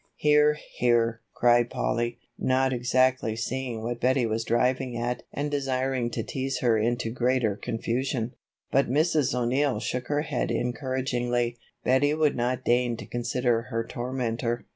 "Hear, hear!" cried Polly, not exactly seeing what Betty was driving at and desiring to tease her into greater confusion. But as Mrs. O'Neill shook her head encouragingly, Betty would not deign to consider her tormentor.